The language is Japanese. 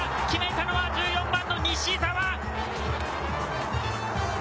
決めたのは１４番の西澤。